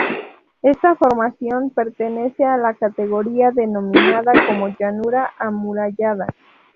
Esta formación pertenece a la categoría denominada como llanura amurallada.